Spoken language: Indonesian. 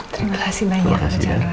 terima kasih banyak mas chandra